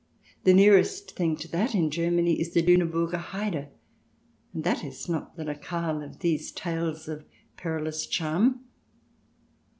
The nearest thing to that in Germany is the Luneburger Heide, and that is not the locale of these tales of perilous charm.